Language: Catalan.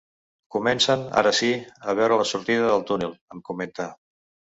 Comencen, ara sí, a veure la sortida del túnel, em comenta.